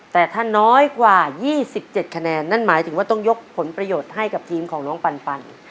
แต่ถ้าน้อยกว่า๒๗คะแนนนั่นหมายถึงว่าต้องยกผลประโยชน์ให้กับทีมของน้องปัน